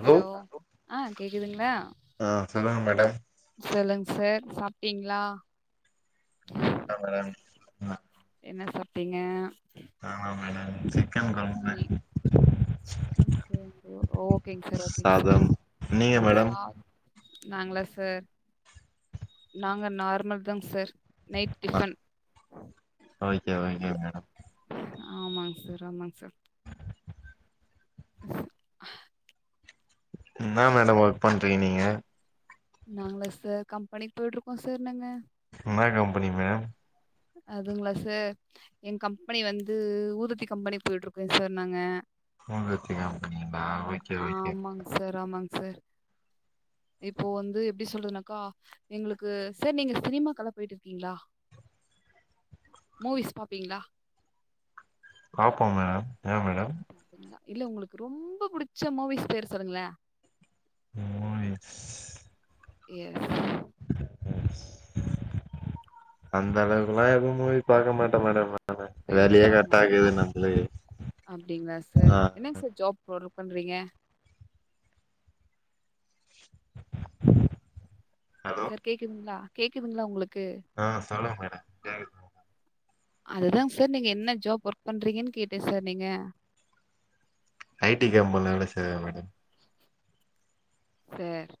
Hello ஆ கேக்குதுங்ளா ஆ சொல்லுங்க மேடம் சொல்லுங் சார் சாப்ட்டீங்ளா சாப்ட்ட மேடம் என்ன சாப்ட்டிங்க நானா மேடம் சிக்கன் கொழம்பு சிக்கன் கொழம்பு ஓகேங் சார் ஓகேங் சார் சாதம் நீங்க மேடம் சாப் நாங்ளா சார் நாங்க நார்மல் தாங் sir night tiffin okay okay madam ஆமாங் சார் ஆமாங் சார் என்னா மேடம் ஒர்க் பண்றீங்க நீங்க நாங்களா சார் கம்பெனிக்கு போயிட்டுருக்கோ சார் நாங்க என்ன கம்பெனி மேம் அதுங்களா சார் ஏ கம்பெனி வந்து ஊதுபத்தி கம்பெனி போயிட்டுருக்கோ சார் நாங்க ஊதுப்பத்தி கம்பெனி நா வைக்கேலங்க ஆமாங்க சார் ஆமாங் சார் இப்போ வந்து எப்டி சொல்றதுனாக்கா எங்களுக்கு சார் நீங்க சினிமாக்கலா போயிட்டு இருக்கீங்களா மூவிஸ் பாப்பீங்களா பாப்போ மேம் ஏ மேடம் ங்களா இல்ல உங்களுக்கு ரொம்ப புடிச்ச மூவிஸ் பேர் சொல்லுங்களே மூவிஸ் எஸ் எஸ் அந்த அளவுக்கெல்லா எதுவு மூவி பாக்க மாட்டே மேடம் எது வேலையே பார்க்க மாட்டிங்களா கரெக்டாக்குது நம்பளுக்கு அப்படிங்களா ஆ சார் என்னங்க சார் ஜாப் ஒர்க் பண்றீங்க ஹலோ சார் கேக்குதுங்களா கேக்குதுங்களா உங்களுக்கு ஆ சொல்லுங்க மேடம் அதுதாங்க சார் நீங்க என்ன ஜாப் ஒர்க் பண்றீங்கன்னு கேட்டே சார் நீங்க ஐ டி கம்பெனில வேலை செய்ற மேடம் சார்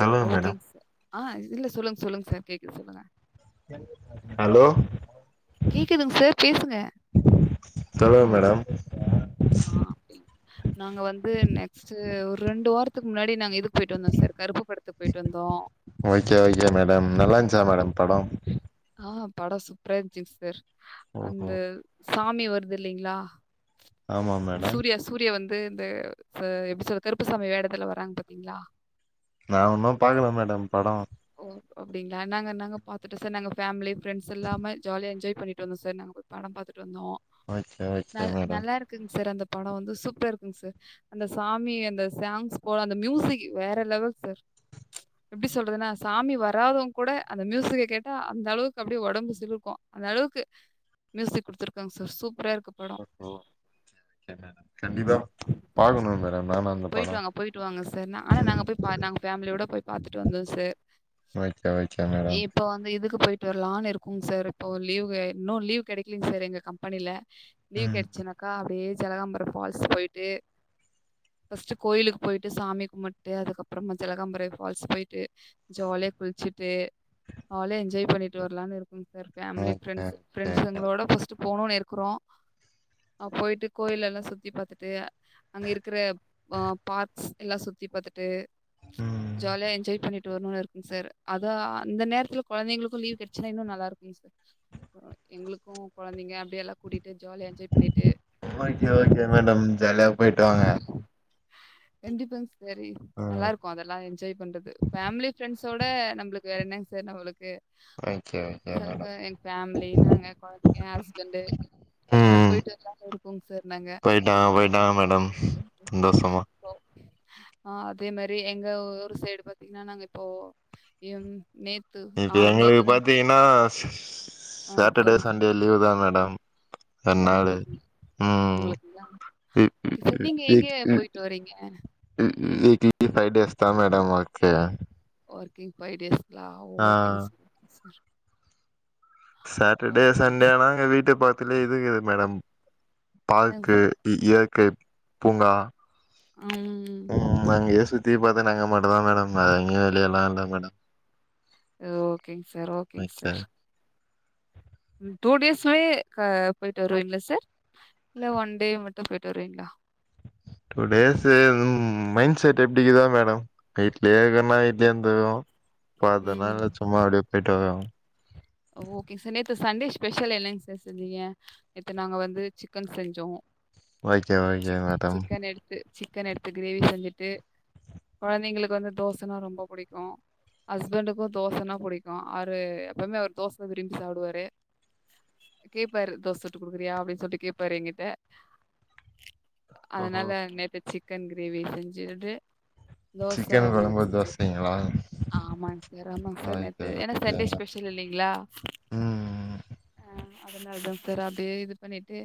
சொல்லுங்க மேடம் ஓகேங்க சார் ஆ இல்ல சொல்லுங்க சொல்லுங்க சார் கேக்குது சொல்லுங்க ஹலோ கேட்குதுங்க சார் பேசுங்க சொல்லுங்க மேடம் ஆ அப்டி நாங்க வந்து நெக்ஸ்ட் ஒரு ரெண்டு வாரத்துக்கு முன்னாடி நாங்க இது போயிட்டு வந்தோ சார் கருப்பு படத்துக் போயிட்டு வந்தோ ஓகே ஓகே மேடம் நல்லாந்ச்சா மேடம் படொ ஆ படொ சுப்பரா இருச்சுங்க சார் ஓஹோ அந்த சாமி வருது இல்லங்ளா ஆமா மேடம் சூர்யா சா சூர்யா வந்து இந்த எப்டி சொல்ற கருப்பு சாமி வேடத்துல வராங்க பாத்தீங்ளா நா ஒன்னு பாக்கல மேடம் படொ ஓ அப்டிங்களா நாங்க நாங்க பாத்துட்டு சார் நா ஃபேமிலி ஃப்ரெண்ட்ஸ் எல்லாம ஜாலியா என்ஜாய் பண்ணிட்டு வந்தோ சார் நா போய் படொ பாத்துட்டு வந்தோ ஓகே ஓகே நல் மேடம் நல்லா இருக் க்குங்க சார் அந்த படொ வந்து சூப்பரா இருக்குங்க சார் அந்த சாமி அந்த சாங்ஸ் போல அந்த மியூசிக் வேற லெவல் சார் எப்டி சொல்றதுனா சாமி வராதவங் கூட அந்த மியூசிக்க கேட்டா அந்த அளவுக்கு அப்டியே ஒடம்பு சிலுக்கு அந்த அளவுக்கு மியூசிக் குடுத்ருக்காங்க சார் சூப்பரா இருக்குப் படொ ஓ கண்டிப்பா [unintelligible] பாக்கணு மேடொ நானு அந்த படோ போயிட்டு வாங்க போயிட்டு வாங்க சார் ஆனா ம் நாங்க போய் பா நாங்க ஃபேமிலியோட போய் பாத்துட்டு வந்தோ சார் ஓகே ஒகே மேடம் இப்போ வந்து இதுக்கு போயிட்டு வர்லான் இருக்கோங்க சார் இப்போ லீவு இன்னு லீவு கெடைக்லிங்க சார் எங்க கம்பெனில லீவ் ம் கெடைச்னாக்கா அப்டியே ஜலகாம்பரோ ஃபால்ஸ் போயிட்டு ஃபஸ்ட்டு கோயிலுக்கு போயிட்டு சாமி கும்பிட்டு அதுக்கப்பறோ ஜலகாம்பரேர் ஃபால்ஸ் போயிட்டு ஜாலியா குளிச்சிட்டு ஜாலியா என்ஜாய் பண்ணிட்டு வரலானு இருக்கேங்க sir family okay friends okay madam ஃப்ரண்ட்ஸ்களோட ஃபஸ்ட்டு போணுனு இருக்குறோ போயிட்டு கோயிலல்லா சுத்தி பாத்துட்டு அங்க இருக்குற ஆ பார்க்ஸ் எல்லா சுத்தி பாத்துட்டு ம் ஜாலியா என்ஜாய் பண்ணி ட்டு வரணுனு இருக்குங் சார் அத அந்த நேரத்துல கொழந்தைங்களுக்கு லீவ் கெடைச்சினா இன்னு நல்லாருக்குங் சார் ம் எங்களுக்கு கொழந்தைங்க அப்டி எல்லா கூட்டிட்டு ஜாலியா என்ஜாய் பண்ணிட்டு ஓகே ஓகே வரதுக்கு மேடம் ஜாலியா போயிட்டு வாங்க கண்டிப்பாங் சாரி ம் நல்லாருக் அதெல்லா என்ஜாய் பண்றது ஃபேமிலி ஃப்ரெண்ட்ஸோட நம்ளுக்கு வேற என்னங்க சார் நம்மளுக்கு ஓகே ஓகே மேடம் சொல்லுங்க எங்க ஃபேமிலி நாங்க கொழந்தைங்க ஹஸ்பண்டு எல்லா ம் போயிட்டு வர்லான் இருக்கோங்க சார் நாங்க போய்ட்டு சந்தோசமா ஓகே ஆ அதே மாரி எங்க ஊரு சைடு பாத்தீங்னா நாங்க இப்போ நேத் இப்ப எங்களுக்கு பாத்தீங்கனா ஸ் ஆ சாட்டர்டே சொல்லுங்க சார். சண்டே லீவ் தா மேடம் ரெண் நாளு உங்களுக்குதா ஓகே சார் நீங்க எங்க போயிட்டு வரீங்க வீ வீக்லி ஃபை டேஸ் தா மேடம் ஓக்கே ஒர்கிங் ஃபை டேஸ்ங்லா ஓகேங் சார் ஓகே சார் சாட்டர்டே ஓகேங்க சண்டே சார். ஆனா எங்க வீட்டு பக்கத்துலயே இது இருக்குது மேடம் என்னங்க பார்க்கு சார்? இயற்கை பூங்கா அம் ம் அங்கயே சுத்தி பாத்தே நா அங்க மட்டுந்தா மேடம் வேற எங்கயு வெளியல்லா இல்ல மேடம் ஓகேங் சார் ஓகேங் ஓகே சார் டூ டேஸ்லே போயிட்டு வருவீங்களா சார் இல்ல ஒன் டே மட்டு போயிட்டு வருவீங்களா டூ டேஸு மைண்ட் செட் எப்டிக்குதோ மேடம் விட்லேருக்கனா வீட்லேந்துக்குவோ இப்ப ம். அதனால சும்மா எதா அப்டியே போயிட்டு ஓகேங் சார் நேத்து சண்டே ஸ்பெஷல் என்னங்க சார் செஞ்சிங்க நேத்து நாங்க வந்து சிக்கன் செஞ்சோ ஓகே ஓகே சிக்க மேடம் சிக்கன் எடுத்து சிக்கன் எடு கிரேவி செஞ்சுட்டு குழந்தைங்களுக்கு வந்து தோசன்னா ரொம்ப புடிக்கு ஹஸ்பண்டுக்கு தோசன்னா புடிக்கு அவரு எப்பவுமே அவரு தோசதா விரும்பி சாப்டுவாரு கேட்பாரு தோச சுட்டு குடுக்றியா அப்டின்னு சொல்ட்டு கேட்பாரு என்கிட்ட ஓஹோ அதனால நேத்து சிக்கன் கிரேவி செஞ்சுகிட்டு தோச சிக்கன் அவுங்களுக்கு கொழம்பு செஞ்சே தோசைங்களா ஆமாங் சார் ஆமாங் சார் ஓகே நேத்து ஏன்னா ஓகே சண்டே மேடம். ஸ்பெஷல் இல்லைங்களா ம் ஆ அதனாலதாங் சார் அப்டியே இது பண்ணிட்டு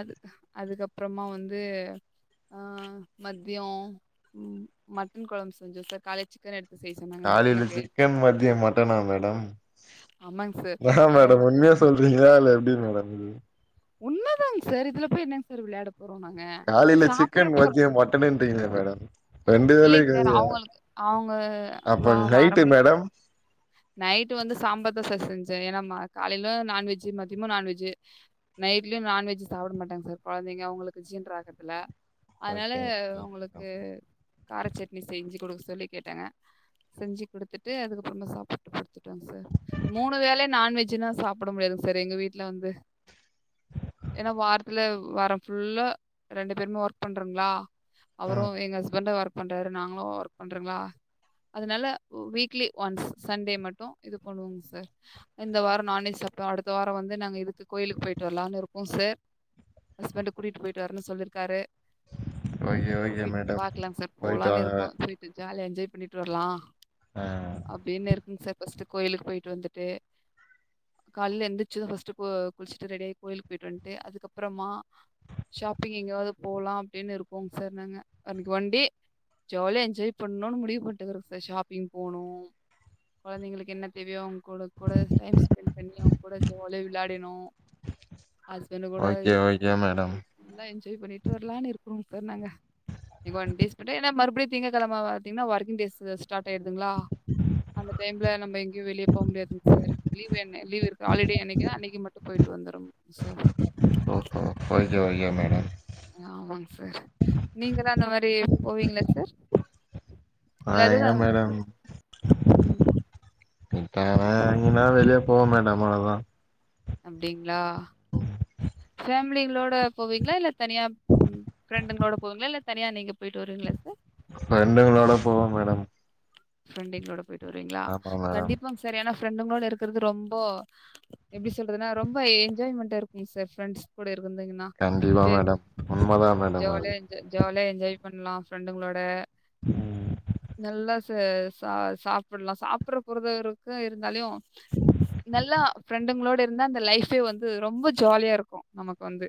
அது அதுக்கப்றமா வந்து ஆ மத்யோ ம் மட்டன் கொழம்பு செஞ்சோ சார் காலேஜ் சிக்கன் எடுத்து செய்ய சொன்னாங்க காலைல டிஃபனுக்கு சிக்கன் மத்யோ மட்டனா மேடம் ஆமாங்க சார் மதியானோ மட்டு புரிஞ்சுதா இல்ல எப்டி மேடம் இது உன்மதாங்க சார் இதுல போய் என்னங்க சார் விளையாட போறோ நாங்க சாப்பற பொ ன்டிங்கலே மேடம் ரெண்டு வேலயு இல்லைங்க சார் காயா அவங்களுக்கு அவங்க அப்ப வா நைட்டு வாரம் மேடம் நைட்டு வந்து சாம்பார் தா சார் செஞ்சே ஏன்னா காலையிலு நான்வெஜ்ஜு மத்தியமு நான்வெஜ்ஜு நைட்லயு நான்வெஜ் சாப்பிட மாட்டாங்க சார் குழந்தைங்க அவங்களுக்கு ஜீன்ராகத்துல அதனால ஓகே ஓகே உங்களு க்க மேடம். காரச்சட்னி செஞ்சு குடுக்க சொல்லி கேட்டாங்க செஞ்சு குடுத்துட்டு அதுக்கு திரும்ப சாப்ட்டு படுத்துட்டோங்க சார் மூணு வேலயு நான்வெஜ்ன்னா சாப்பிட முடியாதுங் சார் எங்க வீட்ல வந்து ஏன்னா வாரத்துல வாரோ ஃபுல்லா ரெண்டு பேருமே ஒர்க் பண்றோங்களா அவரு ம் எங்க ஹஸ்பண்ட ஒர்க் பண்றாரு நாங்களு ஒர்க் பண்றங்களா அதனால வீக்லி ஒன்ஸ் சண்டே மட்டு இது பண்ணுவோங் சார் இந்த வாரோ நான்வெஜ் சாப்ட்டா அடுத்த வாரோ வந்து நாங்க இதுக்கு கோயிலுக்கு போயிட்டு வரலானு இருக்கோ சார் ஹஸ்பண்ட கூட்டிட்டு போயிட்டு வரனுன்னு சொல்லிருக்காரு ஓகே ஓகே போயிட் மேடம் பாக்கலாங் சார் போயிட்டு போலான்னு வாங்க இருக்கோ போயிட்டு ஜாலிய என்ஜாய் பண்ணிட்டு வர்லா ஆ ஆ அப்டின்னு இருக்குங்க சார் ஃபஸ்ட்டு கோயிலுக்கு போயிட்டு வந்துட்டு கால்ல எந்திரிச்சதும் ஃபர்ஸ்ட் கு குளிச்சுட்டு ரெடியாய் கோயிலுக்கு போயிட்டு வந்துட்டு அதுக்கப்பறமா ஷாப்பிங் எங்கவாது போலா அப்டின்னு இருக்கோங்க சார் நாங்க அன்னைக்கு ஒன் டே ஜாலியா என்ஜாய் பண்ணும்னு முடிவு பண்டுருகுரோ சார் ஷாப்பிங் போனு குழந்தைங்களுக்கு என்ன தேவையோ அவங்க கூட கூட டைம் ஸ்பெண்ட் பண்ணி அவங்க கூட ஜாலியா விளையாடினோ ஹஸ்பண்ட் கூட ஓகே இருக்கனு ஓகே மேடம் நல்லா என்ஜாய் பண்ணிட்டு வரலான்னு இருக்கோம்ங்க சார் நாங்க ஒன் டேஸ் மட்டு ஏன்ன மறுபடி திங்கக் கெழம பாத்தீங்கன்னா ஒர்க்கிங் டேஸ் ஸ்ட்டாட் ஆயிடுதுங்களா அந்த டைம்ல நம்ம எங்கயு வெளியே போக முடியாதுங்க சார் லீவ் வேனாவ் லீவ் இருக்கு ஹாலிடே என்னைக்குன்னா அன்னைக்கு மட்டு பேய்டு வந்துரு சார் ஓஹோ ஓகே ஓகே மேடம் ஆமாங் சார் நீங்கலா அந்த மாரி போவீங்களா சார் நா இல்ல எங்க அதுதான் மேடம் ம். இப்ப எங்கனா வெளிய போவோ மேடம் அவ்ளோதா அப்டிங்களா ஃபேமிலிகளோட போவீங்களா இல்ல தனியா ம் ஃபிரெண்டுங்களோட போவீங்களா இல்ல தனியா நீங்க போயிட்டு வருவிங்களா சார் ஃபிரண்டுங்களோட போவோம் மேடம் ஃப்ரெண்டுங்களோட போயிட்டு வருவீங்களா ஆமா மேடம் கண்டிப்பாங்க சார் ஆனா ஃப்ரெண்டுங்களோட இருக்கிறது ரொம்போ எப்டி சொல்றதுன்னா ரொம்ப என்ஜாய்மெண்ட்டா இருக்கு சார் ரெண்ட்ஸ் கூட இருந்தீங்கன்னா கண்டிப்பா மேடம் உண்ம தா மேடம் அது ஜாலியா என்ஜா ஜாலியா என்ஜாய் பண்ணலா பிரண்டுங்களோட ம் நல்லா ச ச சாப்பல்லா சாப்பிடற பொறருலா இருக்கு இருந்தாலு நல்லா ஃப்ரெண்டுங்களோட இருந்தா அந்த லைஃபே வந்து ரொம்ப ஜாலியா இருக்கு நமக்கு வந்து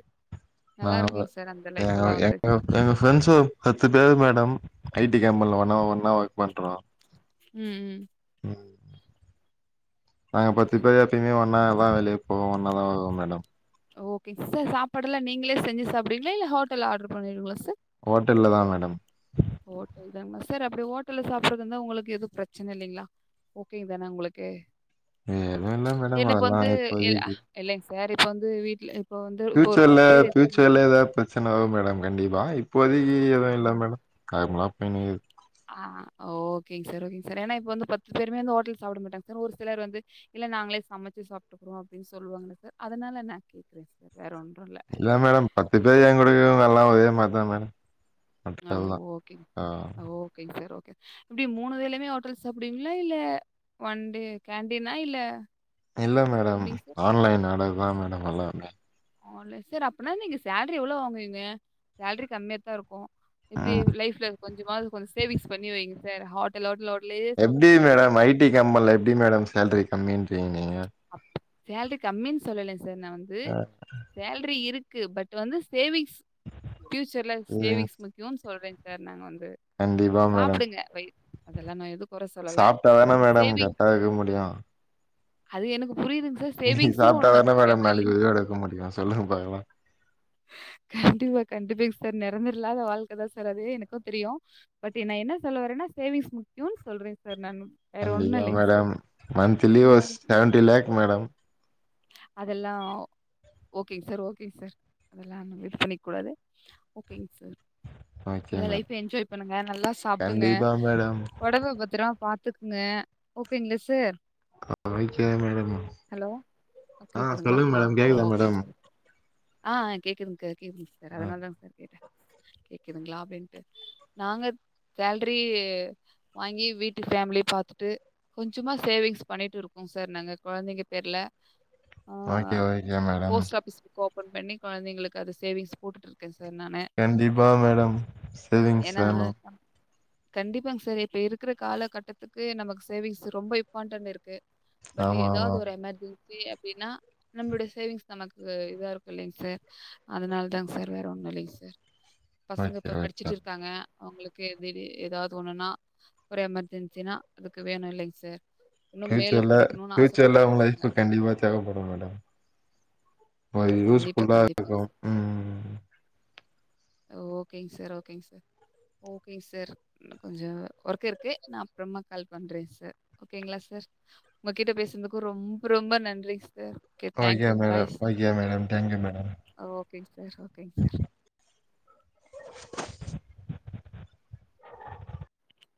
நல்லா இருக்கு நா சார் அந்த எ லைஃப் எல்லா வந்து எங்க எங்க ஃப்ரெண்ட்ஸ் ஒரு பத்து பேர் மேடம் ஐ டி கம்பெனில ஒன்னா ஒன்னா ஒர்க் பண்றோ ம் ம் ம் நாங்க பத்து பேர் எப்பயுமே ஒன்னாஅவா வெளிய போவோ ஒன்னா தா வருவோ மேடம் ஓகேங்க சார் சாப்பாடுல்லா நீங்களே செஞ்சு சாப்படுவீங்களா இல்ல ஹோட்டல்ல ஆர்டர் பண்ணிடுவீங்களா சார் ஹோட்டல்ல தா மேடம் ஓட்டலுதானுங்களா சார் அப்டி ஓட்டல்ல சாப்பிடுறது இருந்தா உங்களுக்கு எது பிரச்சனை இல்லிங்களா ஓகேங்க தான உங்களுக்கு வேல இல்ல மேடம் ஏன்னா இப்ப அதெல்லா வந்து இல்ல அ, இப்போதைக்கி இல்லைங்க சார் இப்ப வந்து வீட்டுல ஃபியூச்சர்ல ஃபியூச்சர்ல எதாது ப பிரச்சன வரு மேடம் கண்டிப்பா இப்போதைக்கி ஆ, எது இல்ல மேடம் கடவுளா பண்ணியது ஆ ஓகேங்க சார் ஓகேங்க சார் ஏனா இப்ப வந்து பத்து பேருமே வந்து ஓட்டல்ல சாப்பிட மாட்டாங்க சார் ஒரு சிலர் வந்து இல்ல நாங்களே சமைச்சு சாப்பிட்டுக்குறோ அப்டினு சொல்லுவாங்கள சார் அதனால நா கேக்குறே சார் வேற ஒன்று இல்ல இல்ல மேடம் பத்து பேரு ஏன் கூடவே இருந்தாலு எல்லா ஒரே மாரி தா மேடம் ஆ ஹோட்டல் தா ஓகேங்க ஆ ஓகேங்க சார் ஓகே இப்டி மூணு வேலயுமே ஓட்டல்ல சாப்டுவீங்களா இல்ல ஒன் டே கேண்டீனா இல்ல இல்ல மேடம் எப்படிங்க சார்? ஆன்லைன் ஆர்டர் தா மேடம் எல்லாமே ஓ ஆன்லைன் சார் அப்டினா நீங்க சேலரி எவ்ளோ வாங்குவீங்க சேலரி கம்மியாத்தா இருக்கு இப்டி லைஃப்ல கொஞ்சமாது கொஞ்சோ சேவிங்ஸ் பண்ணி வைங்க சார் ஹோட்டல் ஹோட்டல் ஓட்டலேயே சாப்ட்டு இருக்காதீங்க இட்லி ஜாம்பார்ல எப்டி மேடம் சேல்ரி கம்மின்றீங்க அப் சேலரி கம்மினு சொல்லலங்க சார் நா வந்து ஆ சேல்ரி இருக்கு பட் வந்து சேவிங்ஸ் ஃபியூச்சர்ல ம் சேவிங்ஸ் கியூன்னு சொல்றேங் சார் நாங்க வந்து கண்டிப்பா மேடம் சாப்பிடுங்க வயிர் அதெல்லா நா எது குறை சொல்லல பட் சேவிங் அதுக்கு முடியு அது எனக்கு புரியுதுங்க சார் சேவிங்ஸ்ன்னு ஒண்ணு சாப்ட்டாதான நமக்கு வேணும் மேடம் இல்லைங்களா? நாளைக்கி ஒரு இது எடுக்க முடியு சொல்லுங்க பாக்கலா கண்டிப்பா கண்டிப்பாங் சார் நெரந்தர இல்லாத வாழ்க்கை தா சார் அதுவே எனக்கு தெரியு பட் நா என்ன சொல்ல வரேனா சேவிங்ஸ் முக்கியோனு சொல்றேங் சார் நானு வேற ஒண்ணும் கண்டிப்பா இல்லைங்க சார். மேடம் மந்த்லி ஏன்னா ஒஸ் செவண்ட்டி லேக் மேடம் அதெல்லா ஓகேங் சார் ஓகேங் சார் அதெல்லா அவுங்களே பண்ணிக்க கூடாது ஓகேங் சார் ஓகே நல்லா லைஃப்ப மேடம் என்ஜாய் பண்ணுங்க நல்லா சாப்பிடுங்க கண்டிப்பா மேடம் ஒடம்ப பத்திரமா பாத்துக் ங்க ஓகேங்களா சார் ஆ வைக்கிறேன் மேடமு கேக்குதுங்களா ஆ ஓகேங் ம் ஆ கேக்குதுங்க கேக்குதுங்க சார் ஆ அதனாலதாங் சார் கேட்டே கேக்குதுங்களா அப்டின்ட்டு நாங்க சேல்ரி வாங்கி வீட்டு ஃபேமிலிய பாத்துட்டு கொஞ்சமா சேவிங்ஸ் பண்ணிட்டு இருக்கோ சார் நாங்க கொழந்தைங்க பேர்ல ஆ ஓகே ஓகே மேடம் போஸ்ட் ஆஃபிஸ்க்கு ஓபன் பண்ணி கொழந்தைங்களுக்கு அத சேவிங்ஸ் போட்டுட்டு இருக்கே சார் நானு கண்டிப்பா மேடம் சேவிங்ஸ் வேணு கண்டிப்பாங் சார் இப்ப இருக்கிற காலகட்டத்துக்கு நமக்கு சேவிங்ஸ் ரொம்ப இம்பார்ட்டன்ட் இருக்கு பட் ஆமா ஆமா எதாது ஒரு எமெர்ஜென்சி அப்டினா நம்மளுடைய சேவிங்ஸ் நமக்கு இதா இருக்கு இல்லைங் சார் அதனாலதாங் சார் வேற ஒன்னு இல்லைங்க சார் பசங்க ஓகே இப்ப ஓகே படிச்சுட்டு இருக்காங்க அவுங்களுக்கு எதிரி எதாது ஒன்னுனா ஒரு எமெர்ஜென்சினா அதுக்கு வேணு இல்லைங் சார் இன்னும் மேல பியூச்சர்ல படிக்கணும்னு பியூச்சர்ல ஆசைப்படுறாங்க அவுங்க பசங்க. லைஃப்க்கு கண்டிப்பா தேவைப்படு மேடம் ஒரு யூஸ் கண்டிப்பா, ஃபுல்லா இருக்கு கண்டிப்பாங்க சார். உ ஓகேங்க் சார் ஓகேங்க் சார் ஓகேங்க சார் கொஞ்சோ ஒர்க் இருக்கு நா அப்றொமா கால் பண்ணுறே சார் ஓகேங்களா சார் உங்ககிட்ட பேசுனதுக்கு ரொம்ப ரொம்ப நன்றி sir okay madam okay madam thank you madam ஓகேங்க் சார் ஓகேங்க் சார்